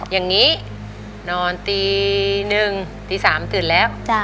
อย่างนี้นอนตีหนึ่งตี๓ตื่นแล้ว